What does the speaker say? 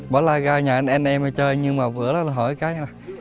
bà lai ra nhà anh em em chơi nhưng mà bữa đó tôi hỏi cái